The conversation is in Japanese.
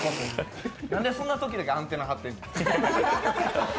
なんでそんなときだけアンテナ張ってるの。